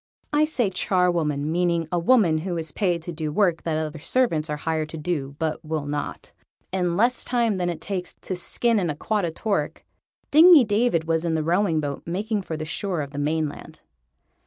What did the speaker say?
(I say charwoman, meaning a woman who is paid to do work that other servants are hired to do, but will not.) In less time than it takes to skin an acquadatoric, Dingy David was in the rowing boat making for the shore of the mainland.